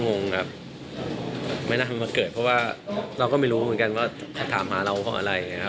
งงครับไม่น่ามาเกิดเพราะว่าเราก็ไม่รู้เหมือนกันว่าจะถามหาเราเพราะอะไรนะครับ